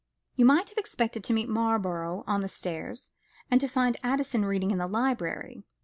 You might have expected to meet Marlborough on the stairs, and to find Addison reading in the library.